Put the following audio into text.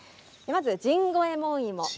まず甚五右ヱ門芋